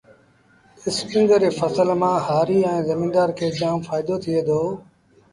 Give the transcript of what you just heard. اسپيٚنگر ري ڦسل مآݩ هآريٚ ائيٚݩ زميݩدآر کي جآم ڦآئيٚدو ٿُئي دو۔